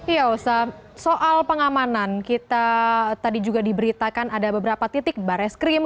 iya osa soal pengamanan kita tadi juga diberitakan ada beberapa titik baris krim